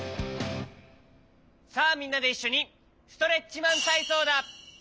さあみんなでいっしょにストレッチマンたいそうだ！